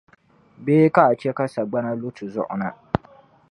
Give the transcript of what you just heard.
Bee ka a chɛ ka sagbana lu ti zuɣu na?